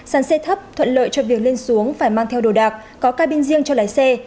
sàn xe thấp thuận lợi cho việc lên xuống phải mang theo đồ đạc có cabin riêng cho lái xe